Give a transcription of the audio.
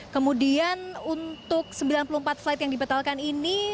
kemudian untuk sembilan puluh empat flight yang dibatalkan ini